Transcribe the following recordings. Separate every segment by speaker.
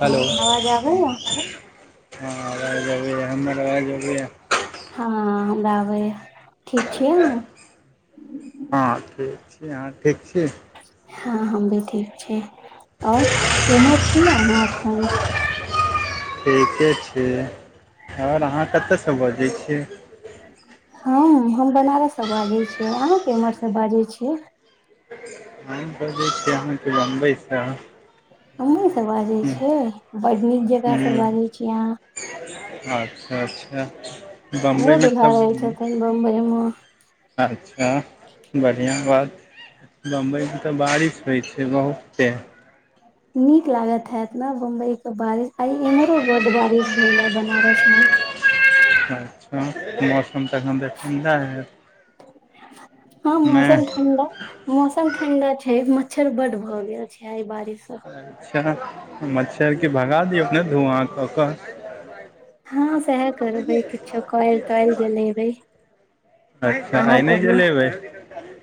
Speaker 1: Hello.
Speaker 2: आवाज आबैया
Speaker 1: हँ आवाज अबैय हमर आवाज अबैय?
Speaker 2: हँ, हमरा आबैये।
Speaker 1: हँ ठीक छी अहां ठीक छी।
Speaker 2: हँ हम भी ठीक छी, और केना छी अहाँ एखन।
Speaker 1: ठीके छी, और अहाँ कतऽसँ बजै छियै।
Speaker 2: हम हम बनारससँ बाजै छियै, अहाँ केमहर सँ बाजै छियै?
Speaker 1: हम बजे छी आँहा के बंबई सं।
Speaker 2: बम्बे से बाजै छियै बड नीक जगह से
Speaker 1: ह्म
Speaker 2: बाजै छियै अहाँ।
Speaker 1: अच्छा अच्छा।
Speaker 2: हमरो
Speaker 1: बम्बइमे
Speaker 2: दुल्हा
Speaker 1: तऽ
Speaker 2: रहै छथिन बम्बइमे।
Speaker 1: अच्छा, बढ़िआँ बात। बम्बइमे तऽ बारिश होइ छै बहुते।
Speaker 2: नीक लागत हैत न बम्बई के बारिश आइ एम्हरो बड बारिश भेले बनारसमे।
Speaker 1: अच्छा मौसम तखन त ठणडा हैत।
Speaker 2: हँ मौसम
Speaker 1: नहि
Speaker 2: ठण्डा, मौसम ठंडा छै मच्छर बड भए गेल छै एहि बारिश सं।
Speaker 1: अच्छा मच्छरके भगा दियौ ने धुआँ कऽ कऽ।
Speaker 2: हँ सैह करबै किछो कायल तोयल जलेबै।
Speaker 1: अच्छा
Speaker 2: अहाँ
Speaker 1: आइ नहि
Speaker 2: कहु,
Speaker 1: जलेबै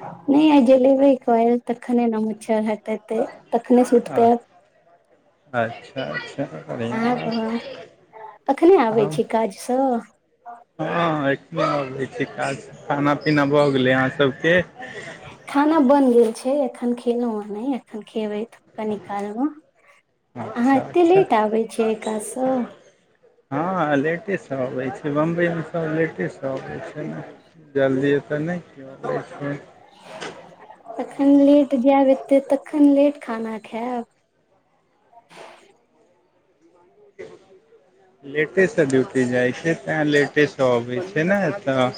Speaker 2: नहि आइ जलेबे कायल तखने न मच्छर हटतै। त तखने सुति पायब।
Speaker 1: अच्छा अच्छा बढ़िया।
Speaker 2: अखने आबै छी काजसँ।
Speaker 1: हँ एखने अबै छी। काज, खाना पीना भऽ गेलै अहाँ सबके?
Speaker 2: खाना बन गेल छै एखन खेलहुँ ह नहि। एखन खेबै थुप कनिकाल मे। अहां
Speaker 1: अच्छा
Speaker 2: एत्ते
Speaker 1: अच्छा
Speaker 2: लेट आबै छियै एइ काज सऽ।
Speaker 1: हँ लेटेसँ अबै छै। बम्बइमे सब लेटेसँ अबै छै ने। जल्दी एतऽ नहि [unintelligible]
Speaker 2: तखन लेट जायब एते तखन लेट खाना खाएब?
Speaker 1: लेटेसे ड्यूटी जाइ छै तैं लेटेसे त अबइ छै ने तऽ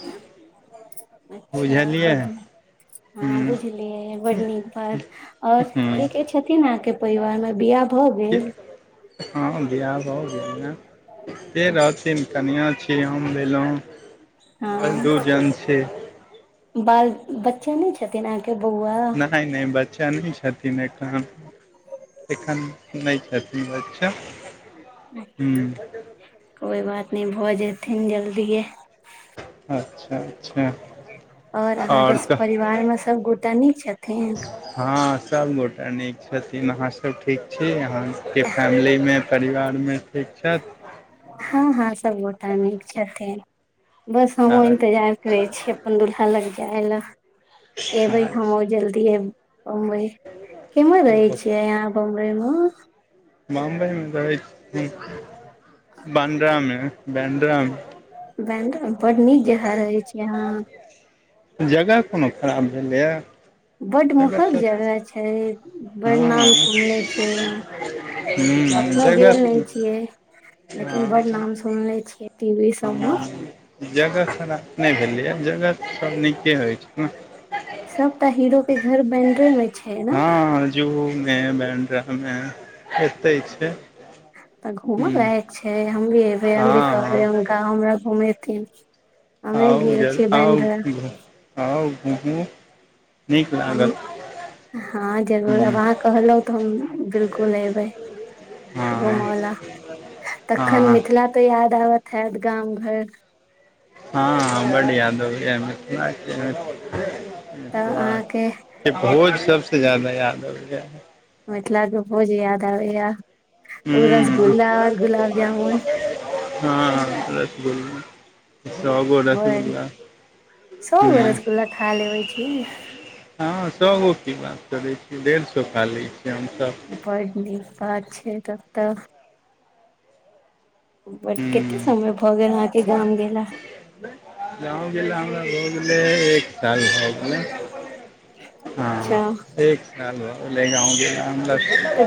Speaker 2: अच्छा
Speaker 1: बुझलियै
Speaker 2: बड निक। हँ
Speaker 1: ह्म
Speaker 2: बुझलियै बड नीक बात। और
Speaker 1: ह्म
Speaker 2: के के छै? छथिन‌ आहां के परिवार मे बियाह भऽ गेल
Speaker 1: हँ बियाह भऽ गेल ने। के रहथिन? कनिआ छी, हम भेलहुँ,
Speaker 2: हँ
Speaker 1: बस दू जन छी।
Speaker 2: बाल बच्चा नहि छथिन। अहाँके बौआ?
Speaker 1: नहि- नहि बच्चा नहि छथिन ऐखन। एखन नहि छथिन बच्चा। हूँ
Speaker 2: कोई बात नहि भऽ जेथिन जल्दिए।
Speaker 1: अच्छा
Speaker 2: और अहाँके
Speaker 1: आओर कह
Speaker 2: परिवार मे सब गोटा निक छथिन?
Speaker 1: हँ सबगोटा नीक छथिन। अहाँ सब ठीक छी? अहां के फैमिलीमे, परिवारमे ठीक छैथ?
Speaker 2: हँ -हँ सब गोटा निक छथिन। बस
Speaker 1: आ
Speaker 2: हमहुँ इन्तजार करै छीयै अपन दुल्हा लग जाय लए। एबइ हमहु जल्दी ए बम्बई। केम्हर रहै छियै अहाँ? बम्बई म
Speaker 1: बम्बई मे तऽ रहै छथिन बांड्रामे, बैंड्रामे।
Speaker 2: बैंद्रा में, बड नीक जगह रहै छी अहाँ।
Speaker 1: जगह कोनो खराब भेलैए।
Speaker 2: बड महग जगह छै। बड
Speaker 1: हँ
Speaker 2: नाम सुनले छै हम।
Speaker 1: ह
Speaker 2: कखनो गेल
Speaker 1: जगह
Speaker 2: नहि छियै लेकिन बड नाम सुनले छियै। टीवी सब मे
Speaker 1: ह जगह खराब नहि भेलै ह। जगह सब नीके होइ छै। ह
Speaker 2: सब त हीरो के घर बैंद्रे मे
Speaker 1: हँ जूहु में, बैंड्रा में, एत्तै छै।
Speaker 2: तऽ घूमो
Speaker 1: हूँ
Speaker 2: लायक छै। हम भी एबै, हम भी
Speaker 1: हँ
Speaker 2: कहबै
Speaker 1: हँ
Speaker 2: हुनका, हमरा घूमेथिन। हमे
Speaker 1: आउ
Speaker 2: गेल
Speaker 1: जल
Speaker 2: छियै
Speaker 1: आउ
Speaker 2: बैंड्रा।
Speaker 1: आउ घुमु।
Speaker 2: [unintelligible] हँ जरूर अब
Speaker 1: हूँ
Speaker 2: अहाँ कहलहुँ तऽ हम बिलकुल एबै।
Speaker 1: हँ
Speaker 2: घुमोला। तखन
Speaker 1: हँ
Speaker 2: मिथिला तऽ याद आबत हैत गाम घर।
Speaker 1: हां, बड याद आबैये। मिथिला के
Speaker 2: तऽ
Speaker 1: मिथिला
Speaker 2: अहाँके
Speaker 1: के भोज सबसे ज्यादा याद आबैय ये।
Speaker 2: मिथिलाके भोज याद आबैया। ओ
Speaker 1: हूँ
Speaker 2: रसगुल्ला आऔर गुलाब जामुन।
Speaker 1: हँ, रसगुल्ला सौ गो
Speaker 2: बड़
Speaker 1: रसगुल्ला,
Speaker 2: सौ गो
Speaker 1: हूं
Speaker 2: रसगुल्ला खा लेबे छियै
Speaker 1: हँ सौ गो की बात करै छी। डेढ़ सौ खा लैय छियै हमसभ।
Speaker 2: बड नीक बात छै तब त। बस
Speaker 1: हूँ
Speaker 2: कते समय भऽ गेल अहाँके गाम गेला।
Speaker 1: गाँव गेला हमरा भ गेलै चारि साल भ गेल हँ।
Speaker 2: अच्छा
Speaker 1: एक साल भ गेले गाँव गेला।
Speaker 2: तऽ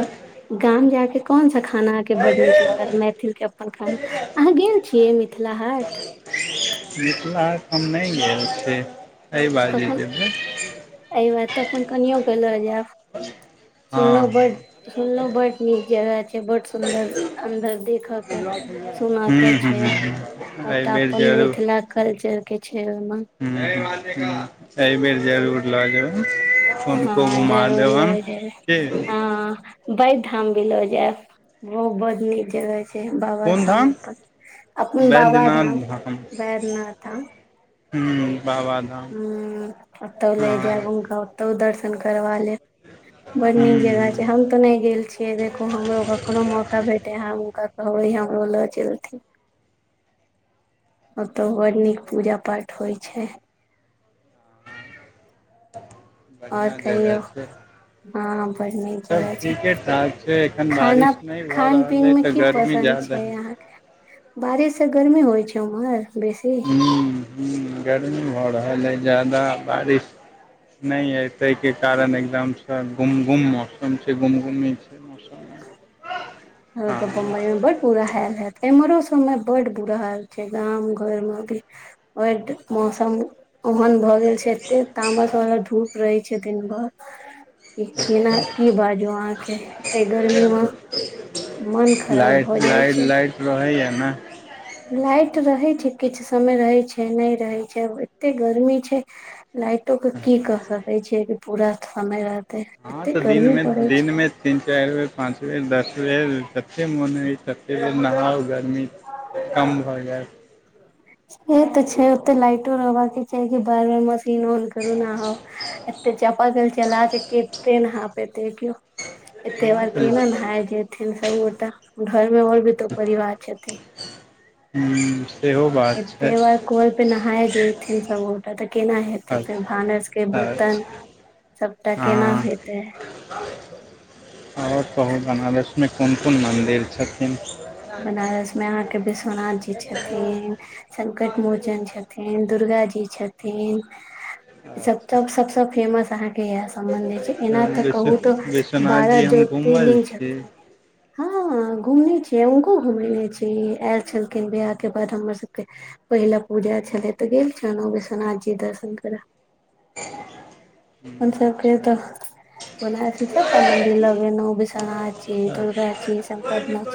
Speaker 2: गाम जाइके कोन सा खाना अहाँके बड्ड नीक लागल, मैथिल के अपन खाना, अहाँ गेल छियै मिथिला हाट?
Speaker 1: मिथिलाहाट हम नहि गेल छियै, एहि बाजे जेबै।
Speaker 2: एहि में तऽ अपन कनियो के लऽ जायब।
Speaker 1: हँ
Speaker 2: सुनलहु बड सुनलहुं बड नीक जगह छै बड सुंन्दर अंन्दर देखक। सुना के
Speaker 1: हूँ हूँ
Speaker 2: छै
Speaker 1: हूँ हूँ
Speaker 2: सबटा तऽ
Speaker 1: एहिबेर
Speaker 2: अपन मिथिला कल्चर छैय। के छै ओहिमे।
Speaker 1: हं एहि बेर जरूर ल जेबैन। हुनको
Speaker 2: हँ
Speaker 1: घुमा
Speaker 2: जरूर
Speaker 1: देबनि कि।
Speaker 2: बाबाधाम भी ल जायब, ओहो बहुत नीक जगह छै। बाबा धाम अपन, अपन बाबा
Speaker 1: बैद्यनाथ
Speaker 2: धाम वैद्यनाधाम।
Speaker 1: हुं बाबाधाम।
Speaker 2: ह ओतौ ले
Speaker 1: हँ
Speaker 2: जायब हुनका ओतौ दर्शन करबा लेब। बड़ नीक जगह छै
Speaker 1: हूँ
Speaker 2: हम। नहि गेल छियै देखियौ हमरो कखनो मौका भेटतैन हम हुनका कहबैन हमरो ल चलथिन। ओतहु बड़ नीक पूजा पाठ होइ छै। और
Speaker 1: बढ़िआँ जगह
Speaker 2: कहियौ
Speaker 1: छै।
Speaker 2: हँ बड़ नीक
Speaker 1: सब
Speaker 2: जगह छै
Speaker 1: ठीके ठाक छै एखन
Speaker 2: खाना
Speaker 1: बारिश नहि भऽ
Speaker 2: खान
Speaker 1: रहल
Speaker 2: पीन
Speaker 1: अइ
Speaker 2: मे
Speaker 1: तऽ
Speaker 2: की
Speaker 1: गर्मी
Speaker 2: पसन्द छै।
Speaker 1: ज्यादा हइ।
Speaker 2: छै अहांके, बारिश से गर्मी होइ छै उमहर बेसी।
Speaker 1: ह गर्मी भऽ रहल अछि जादा बारिश। न हय ताहि के कारण एकदम गुम गुम मौसम छै गुमगुम छै। मौसममे
Speaker 2: [unintelligible] हमके पता है
Speaker 1: हँ
Speaker 2: बम्बई मे बड बुरा हाल हैत एम्हरो समय बड बुरा हाल छै, गाम घर मे भी। बड मौसम ओहन भऽ गेल। छै एते तामस वला धूप रहै छै दिनभर। ई केना की बाजू अहाँ के एते गर्मी मे मन खराब
Speaker 1: लाट
Speaker 2: भऽ जाइ
Speaker 1: लाइट
Speaker 2: छै
Speaker 1: लाइट रहैये ने।
Speaker 2: लाइट रहै छै किछु समय रहै छै नहि रहै छै एते गर्मी छै। लाइटो के की क सकैत छै कि पूरा समय रहतै,
Speaker 1: हँ
Speaker 2: एते
Speaker 1: तऽ
Speaker 2: गर्मी
Speaker 1: दिनमे
Speaker 2: पड़ै छै।
Speaker 1: दिनमे तीन चारि बेर, पाँच बेर, दस बेर जते बेर मोन हुए तते बेर नहाउ। गर्मी कम भऽ जायत।
Speaker 2: से तऽ छै ओते लाइटो रहबाक के चाही कि बार बार मे न करू न आ एते चापाकल चला के केते नहा पेते कियो
Speaker 1: हँ
Speaker 2: एतेबार
Speaker 1: तऽ
Speaker 2: केना नहाय जेथिन सभगोटा घर मे और भी त परिवार छथिन।
Speaker 1: हूँ। [unintelligible] छै
Speaker 2: एते बार कल पे नहाय जेथिन सब गोटा तऽ केना हेतै। फेर
Speaker 1: अच्छा
Speaker 2: भानस के बर्तन
Speaker 1: अच्छा
Speaker 2: सबटा केना
Speaker 1: हँ
Speaker 2: हेतै।
Speaker 1: और कहू बनारसमे कोन कोन मन्दिर छथिन।
Speaker 2: बनारस मे अहाँके विश्वनाथ जी छथिन। छथिन, संकट मोचन छथिन, दुर्गा जी छथिन। ईसभ
Speaker 1: अच्छा
Speaker 2: तऽ सभसँ फेमस अहाँकेँ इएह सम्बन्ध होइत छै। एना तऽ
Speaker 1: विश्व
Speaker 2: कहू तऽ
Speaker 1: विश्वनाथ
Speaker 2: बारह
Speaker 1: जी हम घूमल
Speaker 2: ज्योतिर्लिंग
Speaker 1: छी
Speaker 2: छथिन। हँ सँ, घुमने छी। नहि हुनको घुमयने छलियै, आयल छलखिन वियाहके बाद हमर सभके पहिला पूजा छलै तऽ गेल छलहुँ विश्वनाथ जी दर्शन करय।
Speaker 1: [unintelligible]
Speaker 2: अपन सभकेँ
Speaker 1: अच्छा
Speaker 2: तऽ बनारस मे सभटा मंदिर लऽ गेलहुँ विश्वनाथ जी,
Speaker 1: अच्छा
Speaker 2: दुर्गा जी, संकट मो-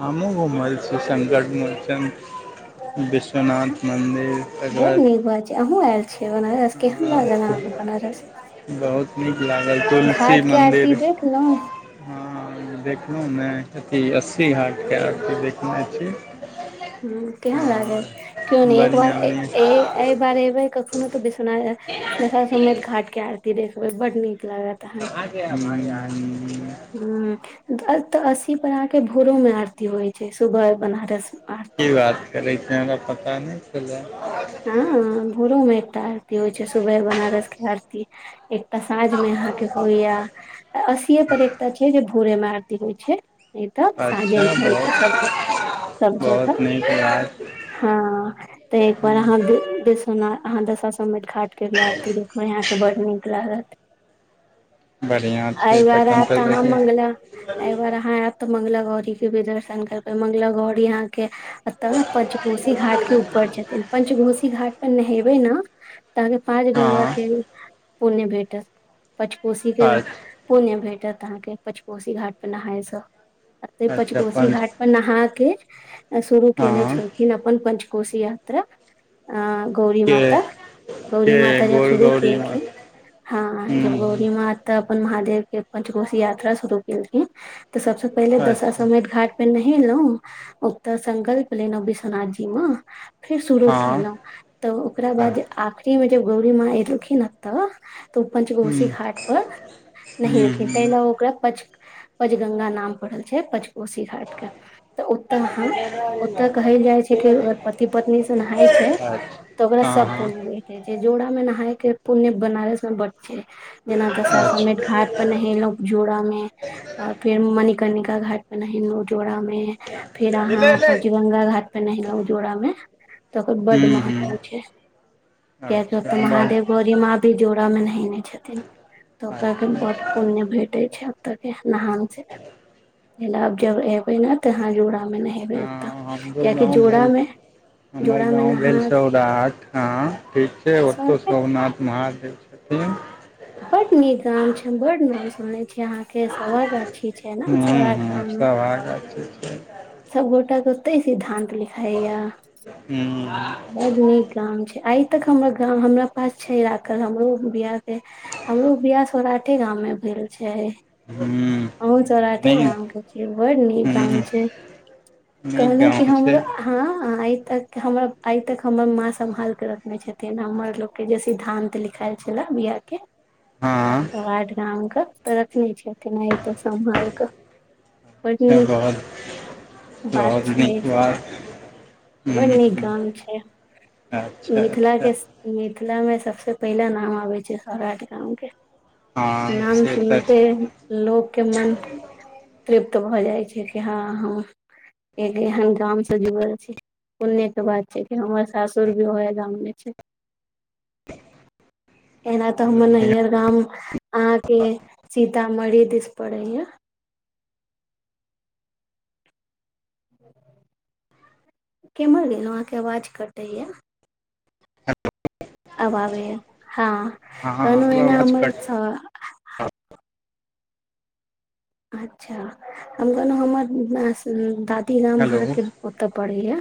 Speaker 1: हमहूँ घूमल छी संकट मोचन। विश्वनाथ मन्दिर, तकर
Speaker 2: बड
Speaker 1: बाद
Speaker 2: नीक बात अहूँ आयल छियै बनारस? केहन लागल
Speaker 1: बाद
Speaker 2: अहाँकेँ बनारस?
Speaker 1: बहुत नीक लागल। तुलसी
Speaker 2: घाट के
Speaker 1: मन्दिर
Speaker 2: आरती देखलहुँ
Speaker 1: हँ, देखलहुँ ने। अथि अस्सी घाटके आरती देखने छी।
Speaker 2: ह्म, केहन लागल? क्यो नहि
Speaker 1: हँ
Speaker 2: एक बार
Speaker 1: बढ़िआँ
Speaker 2: ए
Speaker 1: बढ़िआँ
Speaker 2: ए- एहि बार अयबै कखनो तऽ विश्वनाथ दशाश्वमेध घाटके आरती देखबै, बड़ नीक लागत।
Speaker 1: अहाँके [unintelligible]
Speaker 2: ह्म, तऽ एतय अस्सी पर अहाँकेँ भोरोमे आरती होइत छै, सुबह बनारस आरती
Speaker 1: की बात करैत छी? हमरा पता नहि छलए।
Speaker 2: हँ, भोरोमे एक टा आरती होइत छै, सुबह बनारसके आरती। एकटा साँझमे अहाँकेँ होइए। अस्सीेए पर एकटा छै, जे भोरेमे आरती होइत छै। नहि तऽ
Speaker 1: अच्छा
Speaker 2: साँझेमे होइ छै
Speaker 1: बहुत
Speaker 2: सब सभ
Speaker 1: बहुत
Speaker 2: जगह।
Speaker 1: नीक बात
Speaker 2: हँ, तऽ एक बेर अहाँ वि विश्वनाथ, अहाँ दशाश्वमेध घाटके भी आरती देखबै, अहाँकेँ बड्ड नीक लागत।
Speaker 1: बढ़िआँ
Speaker 2: एहि
Speaker 1: छै
Speaker 2: बार
Speaker 1: तखन
Speaker 2: आएब तऽ
Speaker 1: देखी
Speaker 2: मङ्गला एहि बार अहाँ आयब तऽ मङ्गला गौरीके भी दर्शन करबै। मङ्गला गौरी अहाँके एतय पंचकोशी घाटके ऊपर छथिन। पंचघोशी घाटपर नहयबै ने तऽ अहाँकेँ अहाँकेँ
Speaker 1: हँ
Speaker 2: गंगाके पुण्य भेटत पचकोशीके
Speaker 1: अच्छा
Speaker 2: पुण्य भेटत अहाँकेँ पचकोशी घाटपर नहायसँ। एत्तेक
Speaker 1: अच्छा
Speaker 2: पचकोशी
Speaker 1: पंच
Speaker 2: घाट पर नहा कऽ शुरू कयने
Speaker 1: हँ
Speaker 2: छलखिन अपन पञ्चकोशी यात्रा। अँ गौरी
Speaker 1: के
Speaker 2: माता। गौरी
Speaker 1: के
Speaker 2: माता जब
Speaker 1: गोर
Speaker 2: शुरू
Speaker 1: गौरी माँ
Speaker 2: केलखिन हँ, जब
Speaker 1: ह्म
Speaker 2: गौरी माँ तऽ अपन महादेवके पंचकोशी यात्रा शुरू केलखिन, तऽ सभसँ पहिले
Speaker 1: अच्छा
Speaker 2: दशाश्वमेध घाट पर नहयलहुँ, ओतय सङ्कल्प लेलहुँ विश्वनाथन जीमे, फेर शुरू
Speaker 1: हँ
Speaker 2: केलहुँ, तऽ ओकरा
Speaker 1: हँ
Speaker 2: बाद आखिरी मे जब गौरी माँ एलखिन, एतय तऽ ओ पञ्च कोशी
Speaker 1: ह्म
Speaker 2: घाटपर
Speaker 1: ह्म
Speaker 2: नहेलखिन। ताहि
Speaker 1: ह्म
Speaker 2: लेल ओकरा पच पचगंगा नाम पड़ल छै पंचकोशी घाटके। तऽ ओतय अहाँ, ओतय कहल जाइत छै कि अगर पति पत्नीसँ नहाइत छी तऽ ओकरा
Speaker 1: अच्छा हँ
Speaker 2: सभ
Speaker 1: हँ
Speaker 2: पुण्य भेटैत छै। जोड़ामे नहायके पुण्य बनारस मे बड्ड छै। जेना दशाश्वमेध
Speaker 1: अच्छा
Speaker 2: घाटपर नहयलहुँ जोड़ामे और फेर मणिकर्णिका घाटपर नहयलहुँ जोड़ामे। फेर अहाँ पञ्चगंगा घाटपर नहयलहुंँ जोड़ामे। तऽ ओकर बड्ड
Speaker 1: ह्म ह्म
Speaker 2: महत्व छै। किएकि ओतय
Speaker 1: अच्छा बड़
Speaker 2: महादेव गौरी माँ भी जोड़ामे नहयने छथिन। तऽ ओकराके बड़
Speaker 1: अच्छा
Speaker 2: पुण्य भेट टैत छै ओतयके नहानसँ। [unintelligible] आब जब अएबै ने, तऽ अहाँ जोड़ामे नहय बै एतय,
Speaker 1: हँ हमरो
Speaker 2: किएकि
Speaker 1: गाँव भेल
Speaker 2: जोड़ामे
Speaker 1: हमर गाँव भेल सौर राठ हँ ठीक छै
Speaker 2: सर
Speaker 1: ओतौ
Speaker 2: पे
Speaker 1: सोमनाथ महादेव छथिन।
Speaker 2: बड़ नीक गाम छै हम बड नाम सुनले छी अहां के सभागा छी छै ने
Speaker 1: हूँ
Speaker 2: सोराठ
Speaker 1: हूँ
Speaker 2: गाममे।
Speaker 1: सभागाछी छै।
Speaker 2: सब गोटा के ओतै सिद्धांत लिखाइया।
Speaker 1: हूं
Speaker 2: बड नीक गाम छै आइ तक हमर गाम हमरा पास छै राखल हमरो बिआह हमरो बिआह सौराठे गाम मे भेल छै।
Speaker 1: हूँ
Speaker 2: अहुं सौराठे गाम
Speaker 1: नीक
Speaker 2: क छिय, बड़ नीक गाम
Speaker 1: हूँ
Speaker 2: छै।
Speaker 1: नीक
Speaker 2: कहलहुँ कि
Speaker 1: गाँव छै
Speaker 2: हमरो हँ आइ तक हमरा आइ तक हमर माँ सम्हालिक रखने छथिन हमर लोकके जे सिद्धांत लिखायल छले बिआाह के।
Speaker 1: हँ
Speaker 2: सौराठ गाँव कऽ तऽ रखने छैथिन आइ तक सम्हालि कऽ। बड
Speaker 1: अच्छा
Speaker 2: नीक
Speaker 1: बहुत
Speaker 2: बात
Speaker 1: बहुत नीक
Speaker 2: छै।
Speaker 1: बात हूँ
Speaker 2: बड़ नीक
Speaker 1: हूँ
Speaker 2: गाम छै
Speaker 1: अच्छा
Speaker 2: मिथिलाक
Speaker 1: अच्छा
Speaker 2: के स मिथिला मे सबसे पहिला नाम आबे छै सौराठ गांव के
Speaker 1: हँ
Speaker 2: नाम
Speaker 1: से तऽ
Speaker 2: सुनते लोकके मन तृप्त भऽ जाइ छै कि हँ हम एक एहन गाम से जुड़ल छी। पुण्य के बात छै कि हमर सासुर भी ओहे गाममे छै। [inaudible] एना तऽ हमर नैहर गाम अहां के सीतामढ़ी दिस पड़ै य। केम्हर अइ अहाँके आवाज कटैया। आब आबैयै हँ
Speaker 1: हँ
Speaker 2: कहलौं एना
Speaker 1: आवाज
Speaker 2: हमर
Speaker 1: कट
Speaker 2: स अच्छा हम कहलहुँ हमर नास दादी गाम
Speaker 1: हेलो
Speaker 2: अहाँके ओतऽ पड़ैय।